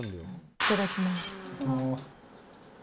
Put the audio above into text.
いただきます。